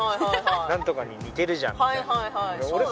なんとかに似てるじゃんとか。